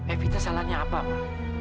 evita salahnya apa ma